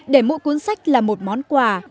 để mỗi cuốn sách là một món quà